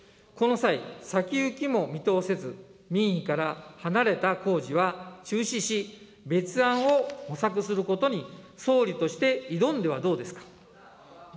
この際、先行きも見通せず、民意から離れた工事は中止し、別案を模索することに総理として挑んではどうですか。